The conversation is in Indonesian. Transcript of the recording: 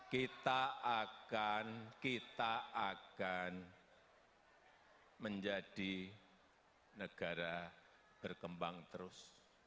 kita akan kita akan menjadi negara berkembang terus